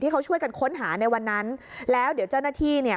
เขาช่วยกันค้นหาในวันนั้นแล้วเดี๋ยวเจ้าหน้าที่เนี่ย